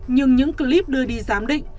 nhưng những clip đưa đi giám định